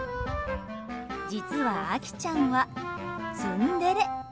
実はアキちゃんはツンデレ。